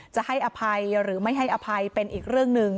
จะให้อภัยหรือไม่ให้อภัยเป็นอีกเรื่องหนึ่ง